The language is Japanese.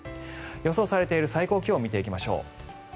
予想されている最高気温を見ていきましょう。